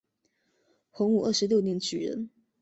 洪武二十六年举人。